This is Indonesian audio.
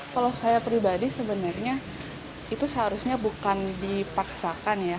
kalau saya pribadi sebenarnya itu seharusnya bukan dipaksakan ya